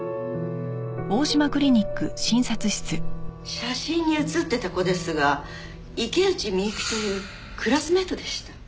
写真に写ってた子ですが池内美雪というクラスメートでした。